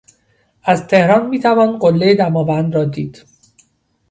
از تهران میتوان قلهی دماوند را دید.